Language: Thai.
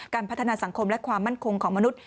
พัฒนาสังคมและความมั่นคงของมนุษย